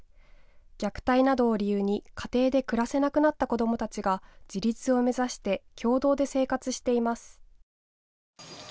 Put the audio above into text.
虐待などを理由に家庭で暮らせなくなった子どもたちが自立を目指して共同で生活しています。